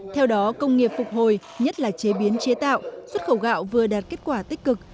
theo đó công nghiệp phục hồi nhất là chế biến chế tạo xuất khẩu gạo vừa đạt kết quả tích cực